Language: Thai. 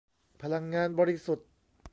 พลังงานบริสุทธิ์